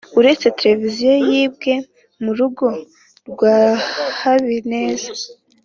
uretse televiziyo yibwe mu rugo rwa habineza